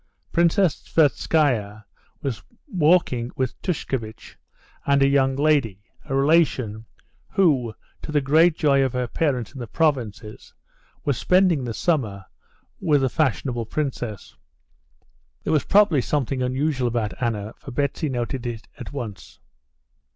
Princess Tverskaya was walking with Tushkevitch and a young lady, a relation, who, to the great joy of her parents in the provinces, was spending the summer with the fashionable princess. There was probably something unusual about Anna, for Betsy noticed it at once.